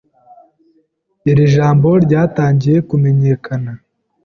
Iri jambo ryatangiye kumenyekana.